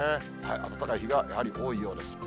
暖かい日がやはり多いようです。